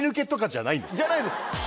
じゃないです。